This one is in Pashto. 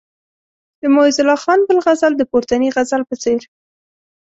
د معزالله خان بل غزل د پورتني غزل په څېر.